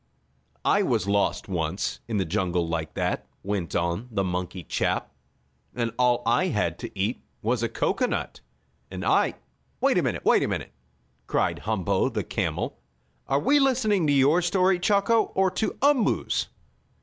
"I was lost once, in the jungle like that," went on the monkey chap, "and all I had to eat was a cocoanut. And I " "Wait a minute! Wait a minute!" cried Humpo the camel. "Are we listening to your story, Chako, or to Umboo's?"